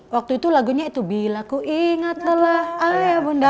waktu itu lagunya itu bila ku ingatlah ayo bunda